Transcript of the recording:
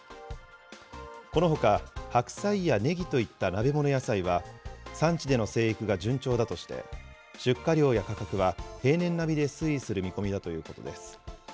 このほか、はくさいやねぎといった鍋物野菜は産地での生育が順調だとして、出荷量や価格は平年並みで推移する見込みだということです。